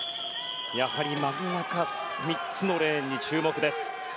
やはり真ん中、３つのレーンに注目です。